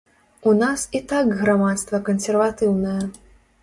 У нас і так грамадства кансерватыўнае.